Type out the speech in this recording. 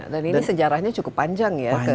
dan ini sejarahnya cukup panjang ya